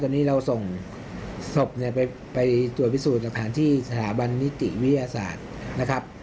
ตอนนี้เราส่งศพเนี่ยไปตรวจพิสูจน์หลักฐานที่สถาบันนิติวิทยาศาสตร์นะครับ